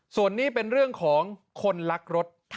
ส่วนนี้เป็นเรื่องของคนรักรถ